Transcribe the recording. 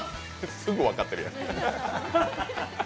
すぐ分かってるやん。